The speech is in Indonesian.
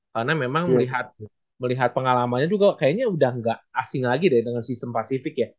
karena memang melihat pengalamannya juga kayaknya udah gak asing lagi deh dengan sistem pacific ya